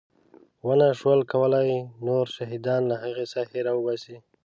ونه شول کولی نور شهیدان له هغې ساحې راوباسي.